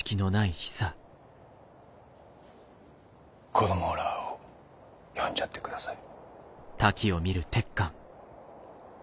子供らを呼んじゃってください。